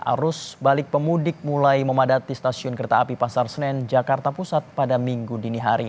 arus balik pemudik mulai memadati stasiun kereta api pasar senen jakarta pusat pada minggu dini hari